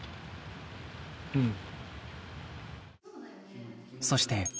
うん。